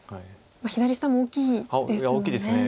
左下も大きいですよね。